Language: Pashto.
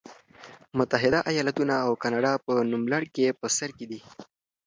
متحده ایالتونه او کاناډا په نوملړ کې په سر کې دي.